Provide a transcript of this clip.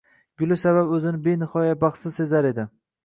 guli sabab o‘zini benihoya baxtsiz sezar edi.